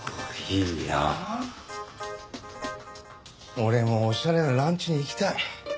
俺もおしゃれなランチに行きたい。